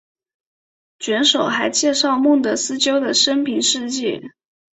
卷首还介绍孟德斯鸠的生平事迹。